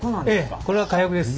ええこれは火薬です。